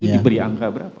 dikasih angka berapa